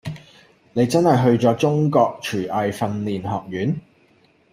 你真係去咗中國廚藝訓練學院？